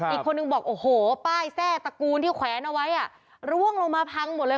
อีกคนนึงบอกโอ้โหป้ายแทรกตระกูลที่แขวนเอาไว้อ่ะร่วงลงมาพังหมดเลย